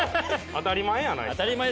当たり前やないですか。